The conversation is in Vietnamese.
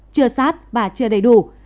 chưa sát và chưa đầy đủ